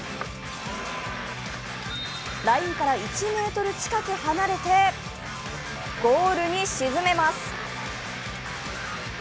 ラインから１ｍ近く離れてゴールに沈めます。